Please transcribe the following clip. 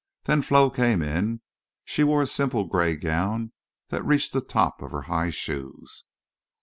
Then Flo came in. She wore a simple gray gown that reached the top of her high shoes.